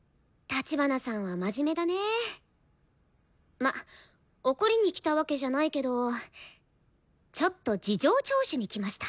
まっ怒りに来たわけじゃないけどちょっと事情聴取に来ました。